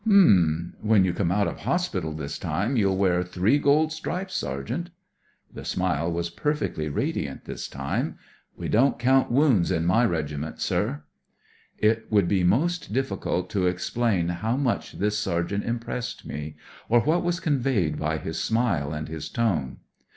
" H'm ! When you come out of hospital this time you'll wear three gold stripes, sergeant." The smile was perfectly radiant this time. " We don't count wounds in my Regi ment, sir." It would be most difficult to explain how much this sergeant impressed me, or what was conveyed by his smile and his tone.